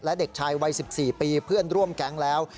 และเด็กชายวัย๑๔ปีเพื่อนร่วมแก๊งแล้ว